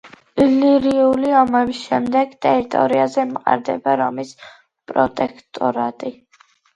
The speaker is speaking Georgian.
ილირიული ომების შემდეგ ტერიტორიაზე მყარდება რომის პროტექტორატი.